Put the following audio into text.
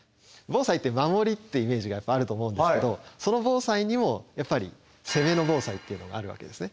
防災って守りってイメージがあると思うんですけどその防災にもやっぱり攻めの防災っていうのがあるわけですね。